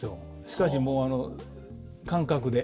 しかしもう感覚で。